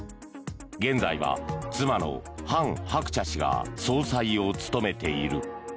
現在は妻のハン・ハクチャ氏が総裁を務めている。